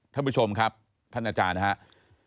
ท่านผู้ชมครับท่านอาจารย์นะครับ